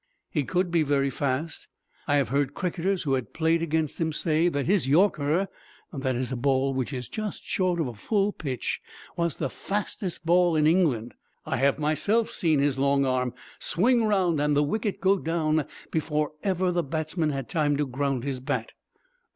"He could be very fast. I have heard cricketers who had played against him say that his yorker that is a ball which is just short of a full pitch was the fastest ball in England. I have myself seen his long arm swing round and the wicket go down before ever the batsman had time to ground his bat."